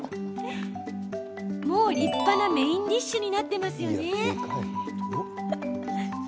立派なメインディッシュになっていますよね？